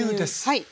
はい。